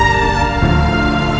nah di mana